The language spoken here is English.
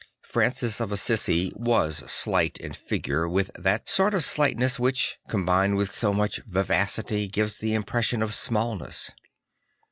Francis of Assisi \vas slight in figure with that sort of slightness which, combined with so much vivacity, gives the impression of smallness.